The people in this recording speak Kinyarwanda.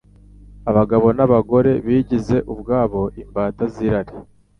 Abagabo na bagore bigize ubwabo imbata z’irari.